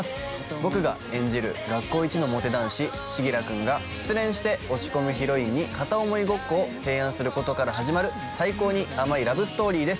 僕が演じる学校一のモテ男子千輝くんが失恋して落ち込むヒロインに片想いごっこを提案することから始まる最高に甘いラブストーリーです